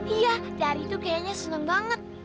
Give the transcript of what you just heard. iya dari itu kayaknya seneng banget